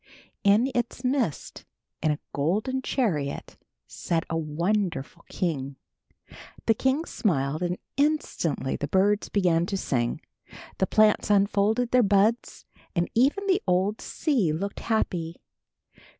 In its midst, in a golden chariot, sat a wonderful king. The king smiled and instantly the birds began to sing, the plants unfolded their buds, and even the old sea looked happy.